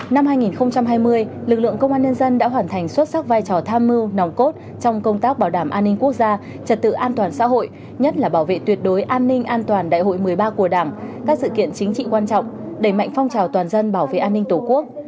năm hai nghìn hai mươi lực lượng công an nhân dân đã hoàn thành xuất sắc vai trò tham mưu nòng cốt trong công tác bảo đảm an ninh quốc gia trật tự an toàn xã hội nhất là bảo vệ tuyệt đối an ninh an toàn đại hội một mươi ba của đảng các sự kiện chính trị quan trọng đẩy mạnh phong trào toàn dân bảo vệ an ninh tổ quốc